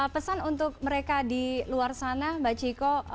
pesan untuk mereka di luar sana mbak chiko